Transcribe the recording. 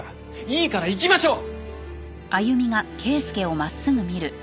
いいから行きましょう！